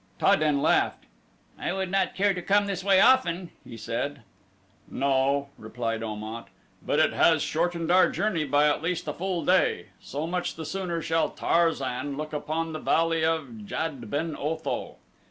Ta den laughed. "I would not care to come this way often," he said. "No," replied Om at; "but it has shortened our journey by at least a full day. So much the sooner shall Tarzan look upon the Valley of Jad ben Otho.